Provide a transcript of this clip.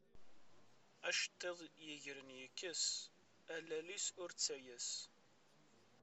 Acettiḍ, yegren yekkes, a lall-is ur ttayes.